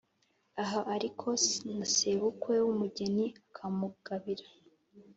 aha ariko na sebukwe w’umugeni akamugabira